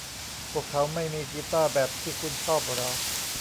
พวกเขาไม่มีกีต้าร์แบบที่คุณชอบหรอ